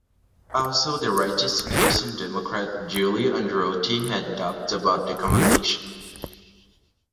Also the rightist Christian Democrat Giulio Andreotti had doubts about the accommodation.